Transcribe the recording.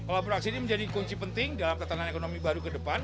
kolaborasi ini menjadi kunci penting dalam tatanan ekonomi baru ke depan